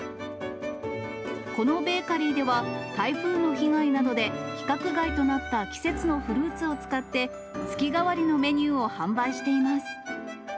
このベーカリーでは、台風の被害などで規格外となった季節のフルーツを使って、月替わりのメニューを販売しています。